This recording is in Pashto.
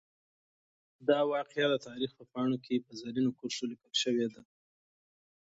دا واقعه د تاریخ په پاڼو کې په زرینو کرښو لیکل شوې ده.